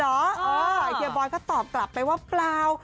เฮียบอยก็ตอบกลับไปว่าเปล่า